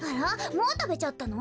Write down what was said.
もうたべちゃったの？